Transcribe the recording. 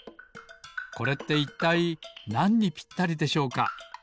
これっていったいなんにぴったりでしょうか？